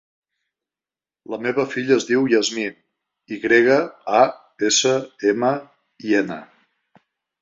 La meva filla es diu Yasmin: i grega, a, essa, ema, i, ena.